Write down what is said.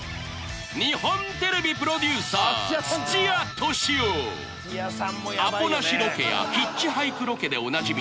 日本テレビプロデューサーアポなしロケやヒッチハイクロケでおなじみ